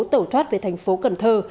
tẩu thoát về thành phố cần thơ